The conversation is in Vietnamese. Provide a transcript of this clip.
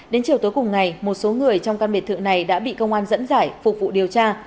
đến chiều tối cùng ngày một số người trong căn biệt thự này đã bị công an dẫn giải phục vụ điều tra